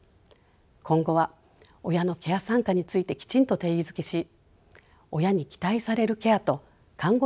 今後は親のケア参加についてきちんと定義づけし親に期待されるケアと看護要員がやるべきケア